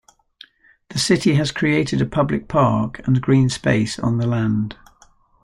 The city has created a public park and green space on the land.